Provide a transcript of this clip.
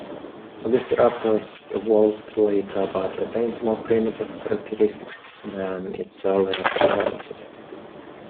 "Bagaceratops" evolved later but retains more primitive characteristics than its earlier relative.